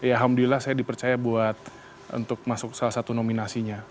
alhamdulillah saya dipercaya buat untuk masuk salah satu nominasinya